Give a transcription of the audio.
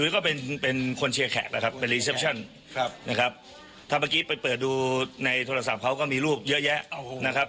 ก็เป็นเป็นคนครับนะครับถ้าเมื่อกี้ไปเปิดดูในโทรศัพท์เขาก็มีรูปเยอะแยะนะครับ